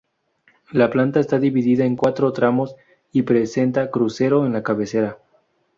La planta está dividida en cuatro tramos y presenta crucero en la cabecera.